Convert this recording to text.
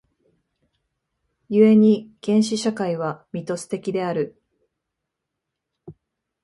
故に原始社会はミトス的である。